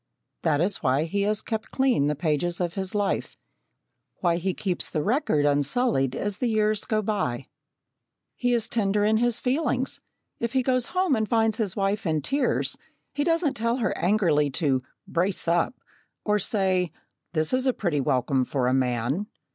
That is why he has kept clean the pages of his life why he keeps the record unsullied as the years go by. He is tender in his feelings; if he goes home and finds his wife in tears, he doesn't tell her angrily to "brace up," or say, "this is a pretty welcome for a man!"